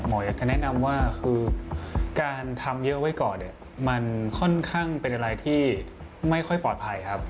อยากจะแนะนำว่าคือการทำเยอะไว้ก่อนเนี่ยมันค่อนข้างเป็นอะไรที่ไม่ค่อยปลอดภัยครับ